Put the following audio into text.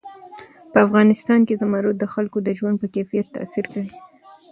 په افغانستان کې زمرد د خلکو د ژوند په کیفیت تاثیر کوي.